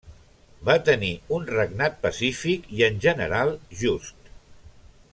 Va tenir un regnat pacífic i en general just.